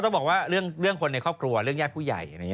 ต้องบอกว่าเรื่องคนในครอบครัวเรื่องญาติผู้ใหญ่